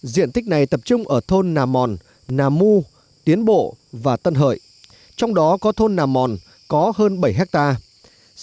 diện tích này tập trung ở thôn nam mòn nam mu tiến bộ và tân hợi trong đó có thôn nam mòn có hơn bảy hectare